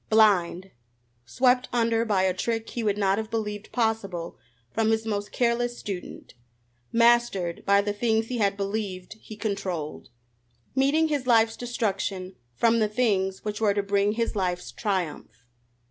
Blind! Swept under by a trick he would not have believed possible from his most careless student! Mastered by the things he had believed he controlled! Meeting his life's destruction from the things which were to bring his life's triumph!